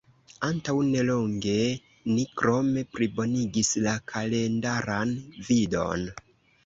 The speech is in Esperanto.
Antaŭ nelonge, ni krome plibonigis la kalendaran vidon.